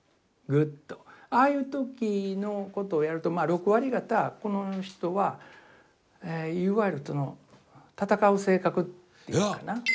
ああいう時のことをやると６割方この人はいわゆる戦う性格っていうかな。